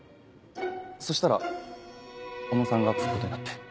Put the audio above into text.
そしたら小野さんがつくことになって。